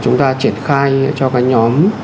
chúng ta triển khai cho cái nhóm